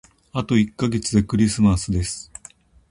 あと一ヶ月でクリスマスです。